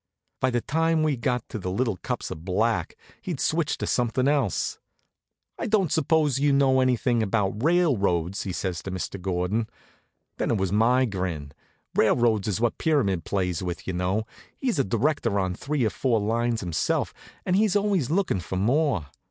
By the time we'd got to the little cups of black he'd switched to something else. "I don't suppose you know anything about railroads?" says he to Mr. Gordon. Then it was my grin. Railroads is what Pyramid plays with, you know. He's a director on three or four lines himself, and is always lookin' for more.